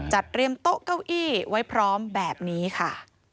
จัดเตรียมโต๊ะเก้าอี้ไว้พร้อมแบบนี้ค่ะ